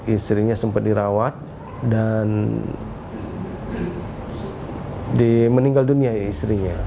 istrinya sempat dirawat dan meninggal dunia ya istrinya